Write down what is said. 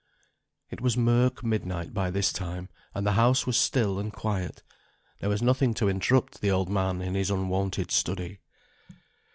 It was murk midnight by this time, and the house was still and quiet. There was nothing to interrupt the old man in his unwonted study.